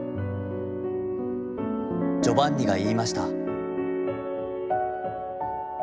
ジョバンニが云ひました」。